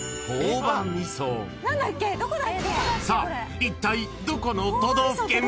［さあいったいどこの都道府県？］